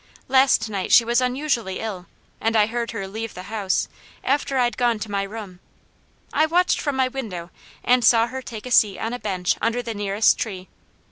Last night she was unusually ill, and I heard her leave the house, after I'd gone to my room. I watched from my window and saw her take a seat on a bench under the nearest tree.